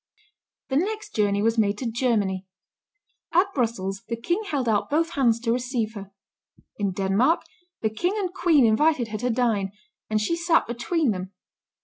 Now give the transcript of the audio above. The next journey was made to Germany. At Brussels, the King held out both hands to receive her. In Denmark, the King and Queen invited her to dine, and she sat between them.